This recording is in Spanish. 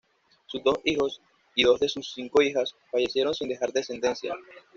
Sus dos hijos, y dos de sus cinco hijas, fallecieron sin dejar descendencia.